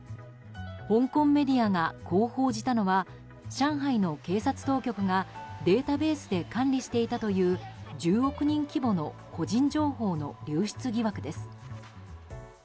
香港メディアがこう報じたのは上海の警察当局がデータベースで管理していたという１０億人規模の個人情報の流出疑惑です。